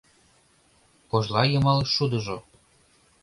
Кожла йымал шудыжо